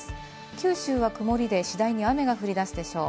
九州は曇りで次第に雨が降りだすでしょう。